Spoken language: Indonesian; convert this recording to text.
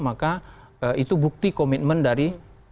maka itu bukti komitmen dari